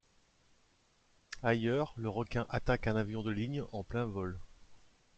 Ailleurs, le requin attaque un avion de ligne en plein vol.